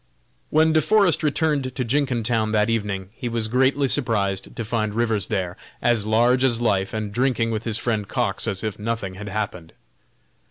When De Forest returned to Jenkintown that evening, he was greatly surprised to find Rivers there, as large as life, and drinking with his friend Cox as if nothing had happened.